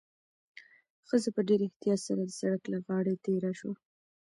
ښځه په ډېر احتیاط سره د سړک له غاړې تېره شوه.